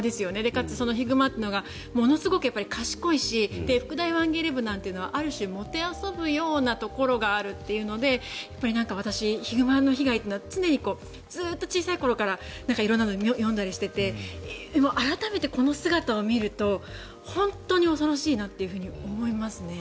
かつ、ヒグマというのがものすごく賢いし福大ワンゲル部なんて言うのはある種もてあそぶようなところがあるというのがあって私、ヒグマの被害というのは常にずっと小さい頃から色んなもので読んだりしていて改めてこの姿を見ると本当に恐ろしいなと思いますね。